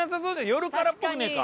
夜からっぽくねえか？